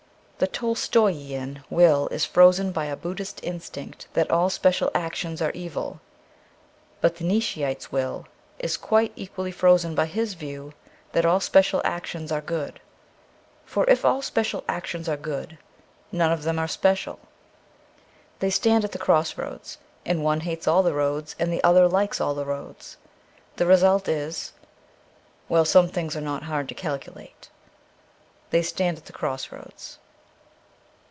The Tolstoian's will is frozen by a Buddhistic instinct that all special actions are evil. But the Nietz scheite's will is quite equally frozen by his view that all special actions are good ; for if all special actions are good, none of them are special. They stand at the tross roads, and one hates all the roads and the other likes all the roads. The result is — well, some things are not hard to calcu late. They stand at the cross roads.